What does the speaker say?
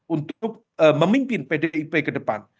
untuk memimpin pdip ke depan